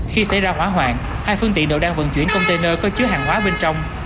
khi xảy ra hỏa hoạn hai phương tiện đồ đăng vận chuyển container có chứa hàng hóa bên trong